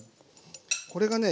これがね